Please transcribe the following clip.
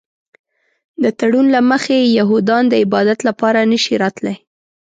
د تړون له مخې یهودان د عبادت لپاره نه شي راتلی.